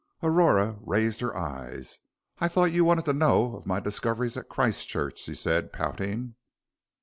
Aurora raised her eyes. "I thought you wanted to know of my discoveries at Christchurch," she said, pouting.